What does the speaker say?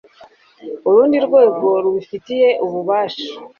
urundi rwego rubifitiye ububasha